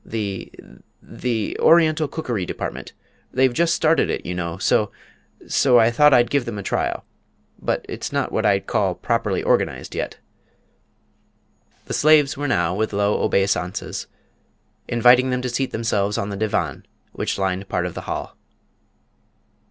"The the Oriental Cookery Department. They've just started it, you know; so so I thought I'd give them a trial. But it's not what I call properly organised yet." The slaves were now, with low obeisances, inviting them to seat themselves on the divan which lined part of the hall.